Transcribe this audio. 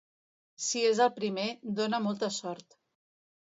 Si és el primer, dóna molta sort.